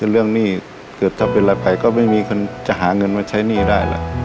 เรื่องหนี้เกิดถ้าเป็นอะไรไปก็ไม่มีคนจะหาเงินมาใช้หนี้ได้ล่ะ